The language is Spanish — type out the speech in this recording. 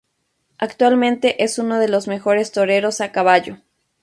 Actualmente es uno de los mejores toreros a caballo.